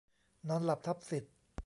นอนหลับทับสิทธิ์